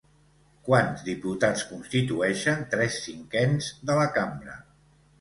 Quants diputats constitueixen tres cinquens de la Cambra?